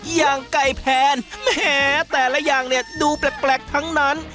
อย่างไก่แพนแหมแต่ละอย่างเนี่ยดูแปลกทั้งนั้น